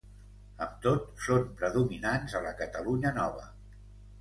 Amb tot, són predominants a la Catalunya Nova.